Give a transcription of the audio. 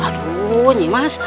aduh nyi mas